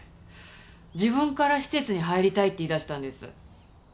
自分から施設に入りたいって言いだしたんです。